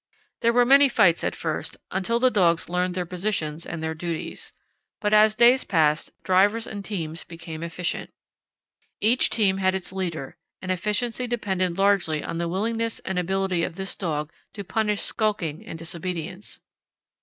There were many fights at first, until the dogs learned their positions and their duties, but as days passed drivers and teams became efficient. Each team had its leader, and efficiency depended largely on the willingness and ability of this dog to punish skulking and disobedience.